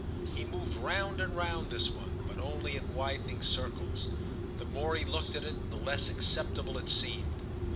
He moved round and round this one, but only in widening circles—the more he looked at it the less acceptable it seemed.